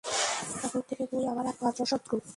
এখন থেকে তুই আমার একমাত্র শত্রু।